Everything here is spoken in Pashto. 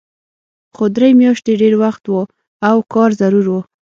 خو درې میاشتې ډېر وخت و او کار ضرور و